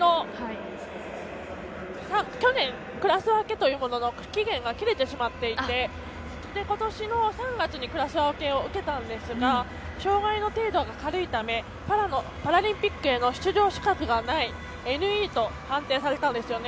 去年、クラス分けというものの期限が切れてしまっていてことしの３月にクラス分けを受けたんですが障がいの程度が軽いためパラリンピックへの出場資格がないＮＥを判定されたんですね。